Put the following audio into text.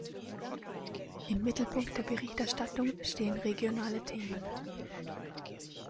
Im Mittelpunkt der Berichterstattung stehen regionale Themen.